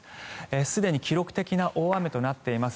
すでに記録的な大雨となっています。